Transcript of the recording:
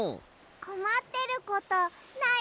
こまってることない？